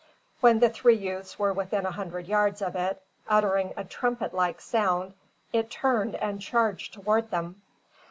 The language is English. When the three youths were within a hundred yards of it, uttering a trumpet like sound, it turned and charged toward them.